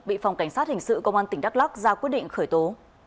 bị phòng cảnh sát hình sự công an tỉnh đắk lắc ra quyết định khởi tố